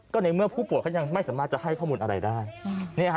ก็ในเมื่อผู้ป่วยเขายังไม่สามารถจะให้ข้อมูลอะไรได้